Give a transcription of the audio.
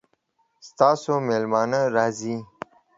ستاسو میلمانه راځي؟